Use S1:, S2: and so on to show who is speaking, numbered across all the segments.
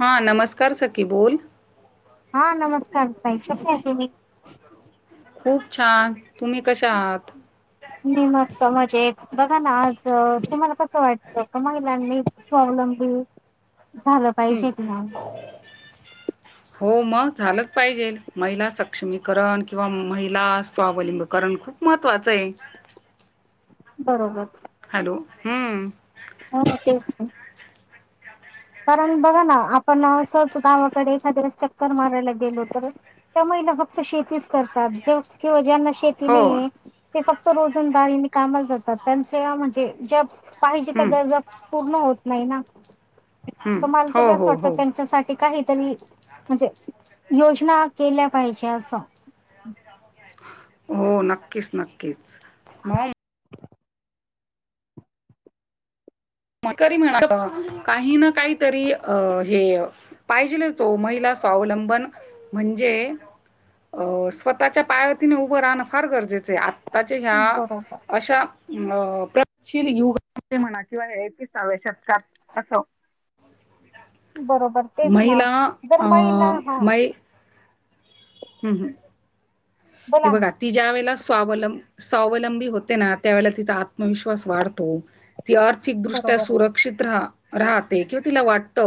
S1: हा नमस्कार सखी बोल.
S2: हा नमस्कार ताई कसे हाय तुम्ही?
S1: खूप छान तुम्ही कशा आहात?
S2: मी मस्त, मजेत बघा ना आज तुम्हाला कसं वाट [unintelligible] महिलांनी स्वावलंबी झालं
S1: हं.
S2: पाहिजे की नाही.
S1: हो मग झालंच पाहिजे महिला सक्षमीकरण किंवा महिला स्वावलंबीकरण खूप महत्वाचं आहे.
S2: बरोबर.
S1: हॅलो, हम्म.
S2: हो हो तेच ते. कारण बघा ना आपण असच गावाकडे एखाद्या वेळेस चक्कर मारायला गेलो तर त्यामुळे फक्त शेतीच करतात, किंवा ज्यांना शेती शेती
S1: हो.
S2: नाहिय ते फक्त रोजंदारीने कामाला जातात त्यांच्या म्हणजे ज्या पाहिजे त्या
S1: हं,
S2: गरजा पूर्ण होत नाही ना.
S1: हं.
S2: मला
S1: हो,
S2: तरी असं
S1: हो,
S2: वाटतं
S1: हो.
S2: त्यांच्यासाठी काहीतरी, म्हणजे योजना केल्या पाहिजे असं.
S1: हो नक्कीच नक्कीच, म तरी म्हणा काही ना काहीतरी हे पाहिजेलच वो महिला स्वावलंबन म्हणजे अ स्वतःच्या पायाव तीने उभं राहणं फार गरजेचं आहे आ त्याच्या ह्या अशा अ प्रगशील युगात म्हणा. किंवा हे एकविसाहवे शतकात असं. महिला, अं, मै. हम् हम, हे बघा तीज्या वेळेला स्वावलं स्वावलंबी होते ना त्यावेळेला तिचा आ आत्मविश्वास वाढतो, ती आर्थिकदृष्ट्या सुरक्षित राहा राहते किंवा तिला वाटत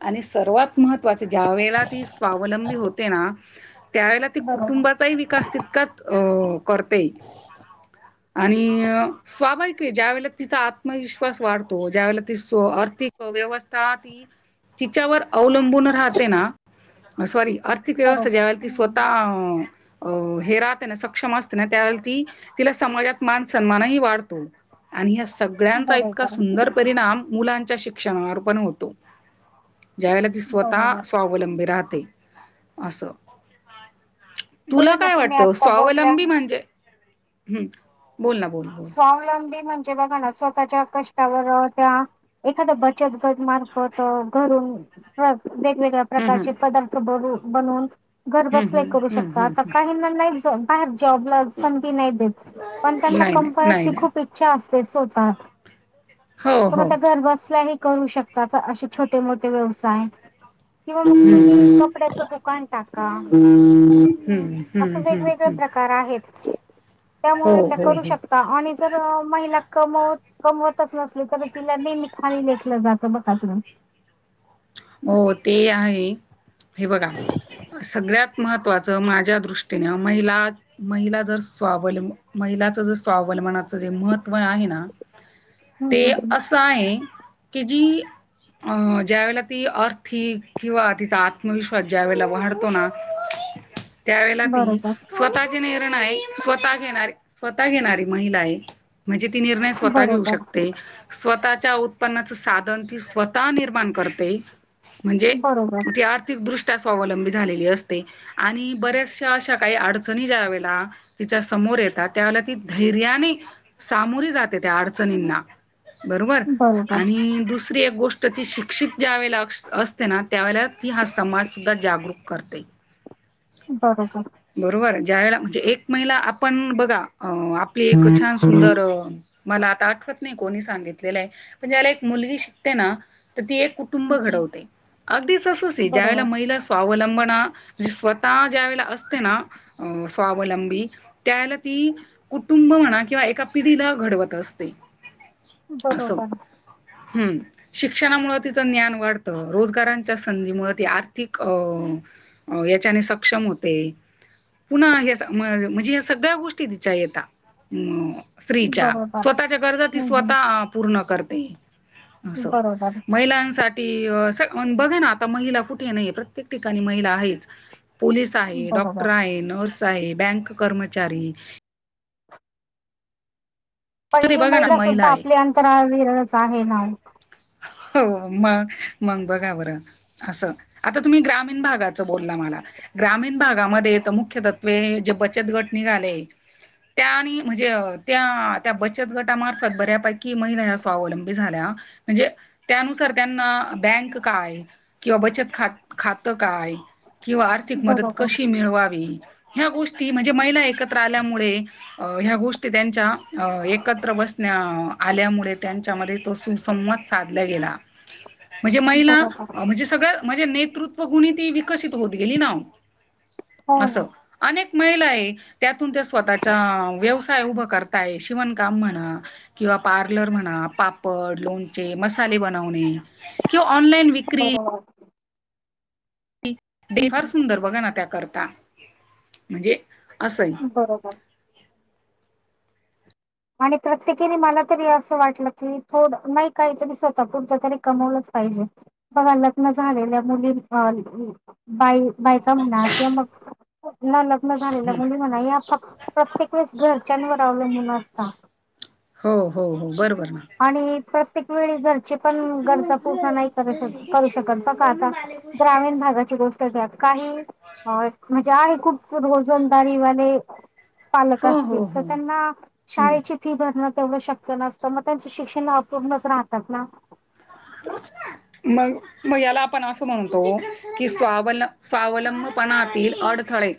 S1: आणि सर्वात खूप महत्त्वाचं ज्या वेळेला ती स्वावलंबी होते ना. त्यावेळेला ते कुटुंबाचाही विकास तितकाच अ करते, आणि स्वाभाविक ज्या वेळेला तिचा आत्मविश्वास वाढतो, ज्या वेळेला ती आर्थिक व्यवस्था ती तिच्यावर अवलंबून राहते ना सॉरी आर्थिक व्यवस्था ज्या वळेला ती अं अ हे राहते ना सक्षम असते ना त्यावेळेला ती तिला समाजात मान सन्मान नही वाढ ढतो आणि ह्यास सगळ्यांचा इतका सुंदर परिणाम मुलांच्या शिक्षणावर पण होतो. ज्या वेळेला ती स्वतः स्वावलंबी राहते. असं तुला काय वाटतं स्वावलंबी म्हणजे हम्म बोल ना बोल बोल
S2: म्हणजे बघा ना स्वतःच्या कष्टावर त्या एखाद्या बचत गट मार्फत घरून हो ना हा वेगवेगळ्या
S1: हं, हं.
S2: प्रकारचे पदार्थ बनू बनवून घर
S1: हम्म
S2: बसल्या ही
S1: हम्म
S2: करू
S1: हम्म
S2: शकता
S1: हम्म
S2: आता काही ना नाही बाहेर जॉबला संधि नाय देत पण
S1: हम्म
S2: त्यांना
S1: नाही नाही नाही
S2: कंमपायची
S1: नाही
S2: खूप इच्छा अस ते स्वतः
S1: हो
S2: पण
S1: हो
S2: आता घर बसल्या हे करू शकता चं असे छोटे मोठे व्यवसाय. किंवा मग
S1: हम्म
S2: तुम्ही
S1: हम्म
S2: कपड्याच दुकान टाका.
S1: हम्म
S2: असं
S1: हम्म हम्म
S2: वेगवेगळे
S1: हम्म
S2: प्रकार आहेत
S1: हो
S2: त्यामुळ त्या
S1: हो
S2: करू
S1: हो
S2: शक जर महिला कमवत कमवतच नसली तर तिला नेहमी खाली लेखलं जात बघा तुम्ही [inaudible]
S1: हो ते आहे, हे बघा सगळ्यात महत्त्वाचं माझ्या दृष्टीने महिला महिला जर स्वावलं महिलाच जर स्वावलं मानाचं जे महत्त्व आहे ना ते असं आहे की जी अ ज्या वेळेला ती अर्थिक किंवा तिचा आत्मविश्वास ज्या वेळेला वाढतो ना त्यावेेळेला ती स्वतःचे निर्णय स्वतः घेणारी स्वतः घेणारी महिला आहे. म्हणजे ती निर्णय स्वतः घेऊ शकते. स्वतःच्या उत्पन्नाच साधन ती स्वतः निर्माण करते. म्हणजे ती आर्थिक दृष्ट ष्ट्या स्वावलंबी झालेली असते आणि बऱ्याचशा अशा काही अडचणी जा वेळेला तिच्या सम मोर येतात त्यावेळेला ती धैर्याने सामोरी जाते त्या अडचणींना. बरोबर आणि दुसरी एक गोष्ट ती शिक्षित ज्यावेळे ला असते ना त्यावेळेला ती हा समाज सुद्धा जागरूक करते.
S2: बरोबर.
S1: ज्या वेळेला म्हणजे एक महिला आपण बघा अ आपली एक छान सुंदर
S2: टाका.
S1: अ मला आता आठवत नाही कोणी सांगितलेलंय पण ज्यावेळेला एक मुलगी शिकते ना ती एक कुटुंब घडवते. अगदी ससंच ज्यावेळेला महिला स्वावलंबना स्वतः ज्या वेळेला असते ना अ स्वावलंबी त्यावेळेला ती कुटुंब म्हणा किंवा एका पिढीला घडवत असते. असं
S2: बरोबरये.
S1: हम्म शिक्षणामुळ तिचं ज्ञान वाढतं रोजगारांच्या संधी मुळ ती आर्थिक अ याच्याने सक्षम होते. पुन्हा या म म्हणजे या सगळ्या गोष्टी तिच्या येता स्त्रीच्या स्वतःच्या गरजा ती स्वतः आ पूर्ण करते. अस महिलांसा ठी बघा ना आता महिला कुठे नाहीये प्रत्येक ठिकाणी महिला आहेच. पोलीस आहे डॉक्टर आहे नर्स आहे बँक कर्मचारी अरे
S2: पहिली
S1: बघा ना
S2: महिला सुद्धा
S1: आहे.
S2: आपली अंतराळवीरच आहे ना
S1: हो मग मंग बघा बरं असं आता तुम्ही ग्रामीण भागाच बोलला माला ग्रामीण भागामध्ये तर मुख्य तत्वे बचत गट निघाले त्यानी म्हजे त्या त्या बचत गटामार्फत बऱ्यापैकी महिला या स्वावलंबी झाल्या हा म्हणजे त्यानुसार त्यांना बँक काय? किंवा बचत खा खातं काय? किंवा आर्थिक मदत कशी मिळवावी. ह्या गोष्टी म्हणजे महिला एकत्र आल्यामुळे अ ह्या गोष्टी त्यांच्या अ एकत्र बसण्या आल्यामुळे त्यांच्यामध्ये तो सुसंमत साधला गेला. म्हणजे महिला म्हणजे सगळ्या म्हणजे नेतृत्व गुणी ती विकसित होत गेली ना असं अनेक महिला आहे त्यातून त्या स्वतःचा व्यवसाय उभं कर ताय शिवणकाम म्हणा किंवा पार्लर म्हणा पापड, लोणचे, मसाले बनवणे. किंव ऑनलाईन विक्री ते फार सुंदर बघा ना त्याकरता म्हणजे असंही
S2: बरोबर आणि प्रत्येकीने मला तरी असं वाटलं की थोड नाही काहीतरी स्वतः पुढत तरी कमवलं पाहिजे बघा लग्न झालेल्या मुली बाई बायका म्हणा किंवा मग न लग्न झालेलं
S1: हम्म.
S2: मुली म्हणा या फक्त प्रत्येक वेळेस घरच्यांवर आवलंबून अस टाक
S1: हो हो हो बरोबर ना
S2: आणि प्रत्येक वेळी घर ची पण गरजा पूर्ण नाही करू शक करू शकत ब आता ग्रामीण भागाची गोष्ट काही होय म्हणजे आहे खूप रोजंदारीवाले पालक
S1: हो
S2: असतील
S1: हो
S2: तर
S1: हो
S2: त्यांना
S1: हम्म.
S2: शाळेची फी भरन तेवढ शक्य नसत मग त्यांच शिक्षण अपूणच राहतात ना
S1: मग मग याला आपण असं म्हणतो की स्वावल स्वावलं पणातील अडथळे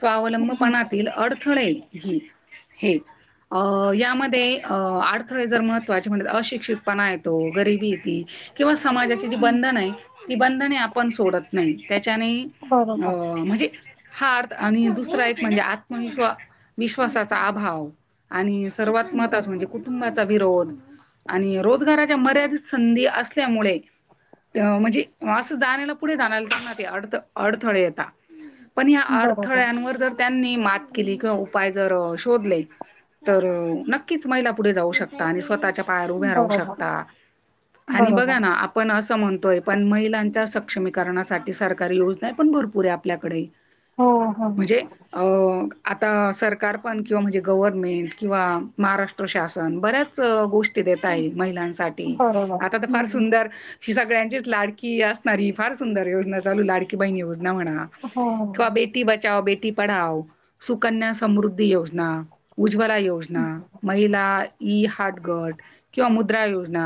S1: स्वावलंबपणातील अड थळे ही हे अ यामध्ये अ अडथळे जर महत्वाचे म्हणल तर अशिक्षित पानायेतो गरीबी किंवा समाजाची जी बंधन आहे ती बंधने आपण सोडत नाही. त्याने अ म्हणजे हा अर्थ आणि दुसरा एक म्हणजे आत्मविश्वा विश्वासाचा अभाव आणि सर्वात महत्वाचं म्हणजे कुटुंबाचा विरोध आणि रो रोजगाराच्या मर्यादित संधी असल्यामुळे म्हणजे असं जाण्याला पुढे जाण्यालाना ते अडथ अडथळे येता पण या अडथळ्यांवर जर त्यांनी मात केली किंवा उपाय जर शोधले तर नक्कीच महिला पुढे जाऊ शकता आणि स्वतःच्या पायावर उभ्या राहू शकता आणि बघा ना आपण असं म्हणतोय पण महिलांच्या सक्षमीकरणासाठी सरकारी योजना पण भरपूर आहे आपल्याकडे म्हणजे अ आता सरकार पण किंवा म्हणजे गव्हर्नमेंट किंवा महाराष्ट्र शासन बऱ्याच गोष ष्टी देत आहे महिलांसाठी आता तर फार सुंदर ही सगळ्यांचीच लाडकी असणारी ही फार सुंदर योजना चालू लाडकी बहीण योजना म्हणा किंवा बेटी बचाव बे टी पढाव सुकन्या समृद्धी योजना उज्ज्वला योजना महिला ई हाट गट किंवा मुद्रा योजना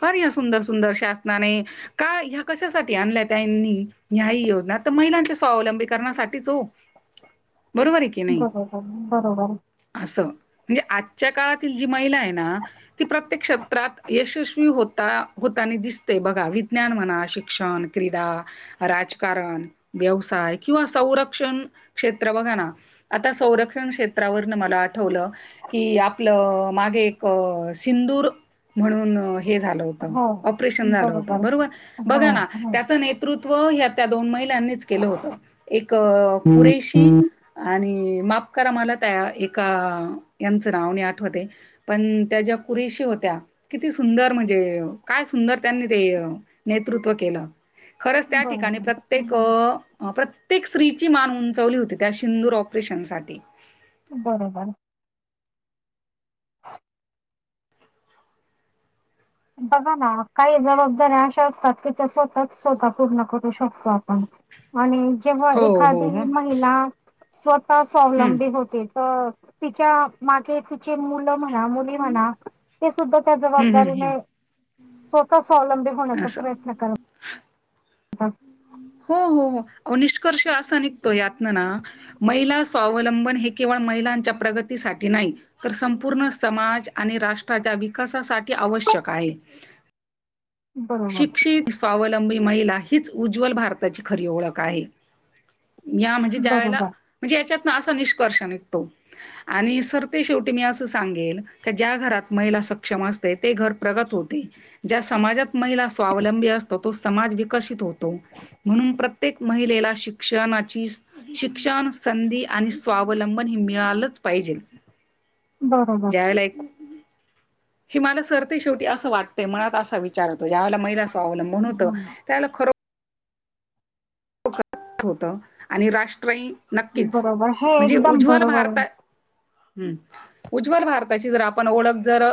S1: फार या सुंदर सुंदर शासनाने का ह्या कशासाठी आणल्या त्यानी ह्याही योजना त महिलांच्या स्वावलंबी करणासाठीच हो
S2: [inaudible]
S1: बरोबर आहे की नाही असं. म्हणजे आजच्या काळातील जी महिला आहे ना की प्रत्येक क्षेत्रात यशस्वी होता होतानी दिसते बघा विज्ञान म्हणा शिक्षण [unintelligible] क्रीडा, राजकारण, व्यवसाय किंवा संरक्षण क्षेत्र बघा ना आता संरक्षण क्षेत्रावरन मला आठवलं की आपलं मागे एक सिंदूर म्हणून हे झालं होत ऑपरेशन झाल होत बरोबर बघा ना त्याच नेतृत्व या त्या दोन महिलांनीच केलं होत एक कुरेशी आणि माप करा मला त्या एका यांचं नाव नाही आठवते पण त्याच्या कुरेशी होत्या किती सुंदर म्हणजे काय सुंदर त्यांनी ते नेतृत्व केलं. खरंच त्या ठिकाणी प्रत्येक प्र [unintelligible] एक स्त्रीची मान उंचावली होती त्या सिंदूर ऑपरेशनसाठी.
S2: बरोबर [unintelligible] बघा ना काही जबाबदाऱ्या अशा असतात कि त्या स्वतःच स्वतः पूर्ण करू शकतो आपण. आणि जेव्हा
S1: हो,
S2: एखादी
S1: हो, हो.
S2: महिला स्वतः
S1: हं.
S2: स्वावलंबी होते तर तिच्या मागे तिची मुल स्वतः म्हणा मुली म्हणा ती सुद्धा त्या
S1: हं, हं, हं.
S2: जबाबदारीने स्वतःच [unintelligible] स्वलंबी होण्याचा
S1: असं.
S2: प्रयत्न करल बस
S1: हो हो हो निष्कर्ष असा निघतो यातन ना महिला स्वावलंबन हे केवळ महिलांच्या प्रगतीसाठी नाही तर संपूर्ण समाज आणि राष्ट्राच्या विकासासाठी आवश्यक आवश्यक आहे.
S2: [inaudible]
S1: शिक्षित स्वावलंबी महिला हीच उज्ज्वल भारताची खरी ओळख आहे. या म्हणजे ज्या वेळेला म्हणजे याच्यात ना असा निष्कर्ष [unintelligible] निष्कर्ष निघतो आणि सर ते शेवटी मी अस सांगेल ज्या घरात महिला सक्षम अस ते घर प्रगत होते ज्या समाजात महिला स्वावलंबी असतो तो समाज विकसित होतो म्हणून प्रत्येक महिलेला शिक्षण शिक्षण संधी आणि स्वावलंबन हे मिळालंच पाहिजे. ज्यावेळेला एक . हे मला सरते शेवटी असं वाटतंय मनात असा विचार येतो ज्यावेळेस महिला अवलंबून होत त्यावेळेला खरो [unintelligible] होत आणि राष्ट्रही नक्कीच म्हणजे उज्ज्वल भारतात हम् उज्ज्वल भारताची जर आपण ओळख जर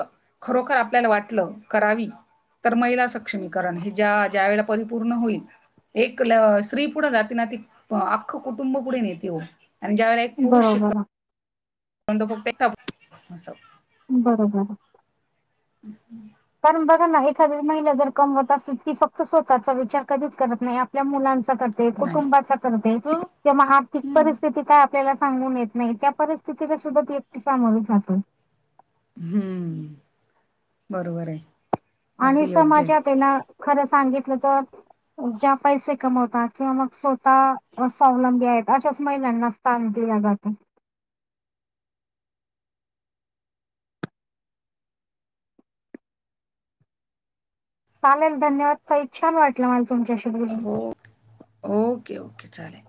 S1: खरोखर आपल्याला वाटलं करावी. तर महिला सक्षमीकरण हे ज्या ज्या वेळेला परिपूर्ण होईल एक स्त्री पुढे जाते ना ती अखं कुटुंब पुढे नेते हो आणि ज्या वेळेला एक पुरुष शिकतो [inaudible]
S2: बरोबर
S1: [unintelligible]
S2: कारण बघा ना एखाद महिला जर कमवत असतील ती फक्त स्वतःचा विचार कधीच करत नाही आपल्या मुलांचा सध्या
S1: नाही
S2: कुटुंबाचा करते
S1: हो
S2: [unintelligible]
S1: हं.
S2: परिस्थिती काय आपल्याला सांगून येत नाही त्या परिस्थितीला सुद्धा ती एकटी सामोरी जाते.
S1: हम्म! बरोबर आहे.
S2: आणि
S1: अगदी योग्य
S2: समाजात
S1: आहे
S2: ना खरं सांगित [inaudible] ज्या पैसे कमावतात किंवा मग स्वतः स्वालंबी आहेत अश्याच महिला त्यांना स्थान दिला जातो. चालेल धन्यवाद ताई छान वाटलं मला तुमच्याशी बोलून.
S1: हो ओके, ओके, चालेल.